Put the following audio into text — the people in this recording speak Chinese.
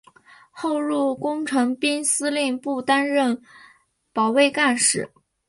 后入工程兵司令部任保卫干事。